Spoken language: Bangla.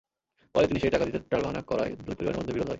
পরে তিনি সেই টাকা দিতে টালবাহানা করায় দুই পরিবারের মধ্যে বিরোধ হয়।